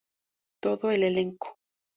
Todo el elenco.